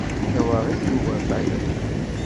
Tawaɣit tugar tayeḍ.